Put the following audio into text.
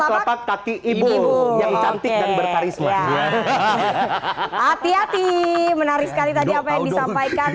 batak ibu yang cantik dan berkarisma ya hahaha hati hati menarik sekali tadi apa yang disampaikan